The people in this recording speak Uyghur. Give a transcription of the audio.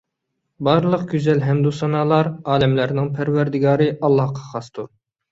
بارلىق گۈزەل ھەمدۇسانالار ئالەملەرنىڭ پەرۋەردىگارى ئاللاھقا خاستۇر